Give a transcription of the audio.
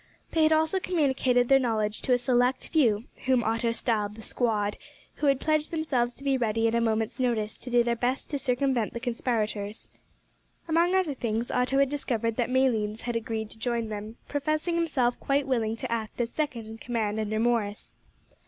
They had also communicated their knowledge to a select few, whom Otto styled the squad, who had pledged themselves to be ready at a moment's notice to do their best to circumvent the conspirators. Among other things Otto had discovered that Malines had agreed to join them, professing himself quite willing to act as second in command under Morris.